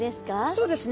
そうですね。